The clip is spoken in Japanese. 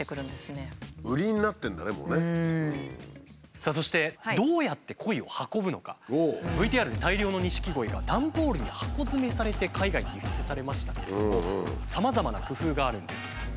さあそしてＶＴＲで大量の錦鯉が段ボールに箱詰めされて海外に輸出されましたけれどもさまざまな工夫があるんです。